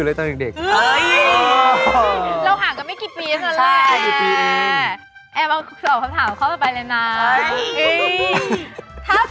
ครับค่ะ